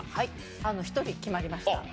１人決まりました。